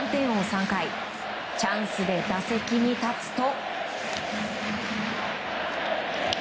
３回チャンスで打席に立つと。